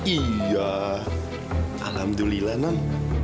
iya alhamdulillah nam